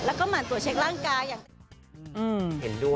แล้วก็หมั่นตรวจเช็คร่างกาย